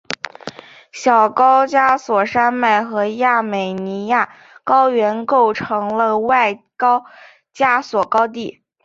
小高加索山脉和亚美尼亚高原构成了外高加索高地。